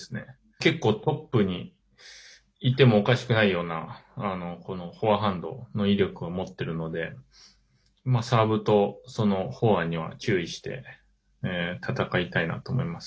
結構トップにいてもおかしくないようなフォアハンドの威力を持ってるのでサーブとフォアには注意して戦いたいなと思います。